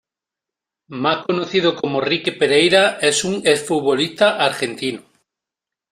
Más conocido como Ricky Pereyra, es un ex-futbolista argentino.